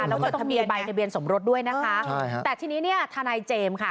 แล้วก็ต้องมีใบทะเบียนสมรสด้วยนะคะแต่ทีนี้เนี่ยทนายเจมส์ค่ะ